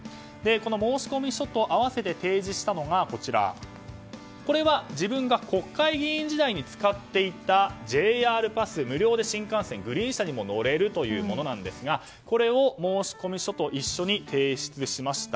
この申込書と併せて提出したのがこれは自分が国会議員時代に使っていたＪＲパス無料で新幹線やグリーン車に乗れるというものですがこれを申込書と一緒に提出しました。